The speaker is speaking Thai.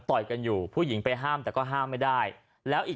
กันอยู่ผู้หญิงไปห้ามแต่ก็ห้ามไม่ได้แล้วอีก